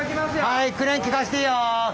はいクレーンきかしていいよ。